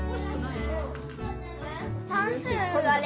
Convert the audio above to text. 算数はね